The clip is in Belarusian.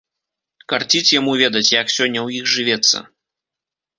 Карціць яму ведаць, як сёння ў іх жывецца.